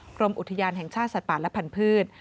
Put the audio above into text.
กรมอุทยานแห่งชาติสัตว์ป่าและพันธุ์